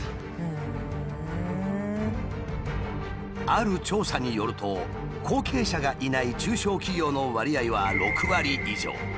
ある調査によると後継者がいない中小企業の割合は６割以上。